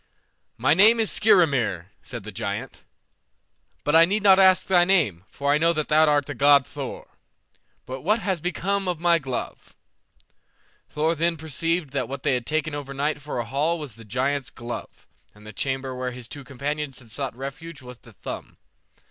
"My name is Skrymir," said the giant, "but I need not ask thy name, for I know that thou art the god Thor. But what has become of my glove?" Thor then perceived that what they had taken overnight for a hall was the giant's glove, and the chamber where his two companions had sought refuge was the thumb.